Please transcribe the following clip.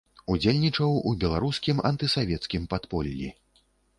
Удзельнічаў у беларускім антысавецкім падполлі.